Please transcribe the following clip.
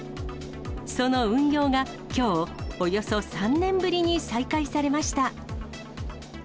その運用がきょう、およそ３年ぶりに再開されました。